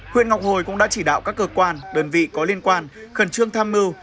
huyện ngọc hồi cũng đã chỉ đạo các cơ quan đơn vị có liên quan khẩn trương tham mưu